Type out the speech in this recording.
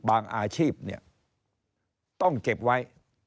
บางอาชีพเนี่ยต้องเก็บไว้